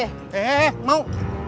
eh eh eh mau